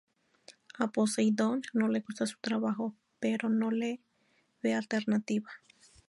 A Poseidón no le gusta su trabajo pero no le ve alternativa.